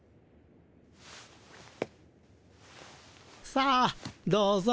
さあどうぞ。